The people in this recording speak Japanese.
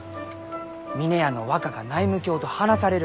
峰屋の若が内務と話される。